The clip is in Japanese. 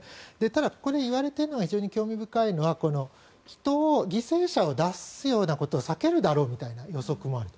ただ、ここで言われているのは非常に興味深いのは人を、犠牲者を出すようなことを避けるだろうみたいな予測もある。